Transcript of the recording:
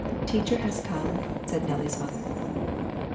" Teacher has come," said Nellie's mother.